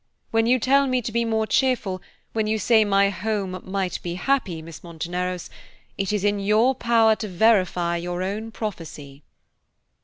When you tell me to be more cheerful, when you say my home might be happy, Miss Monteneros, it is in your power to verify your own prophecy."